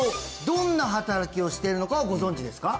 どんな働きをしているのかはご存じですか？